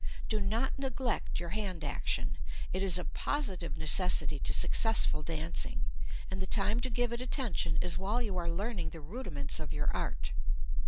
Do not neglect your hand action. It is a positive necessity to successful dancing, and the time to give it attention is while you are learning the rudiments of your art.